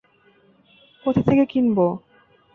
কোথা থেকে কিনব?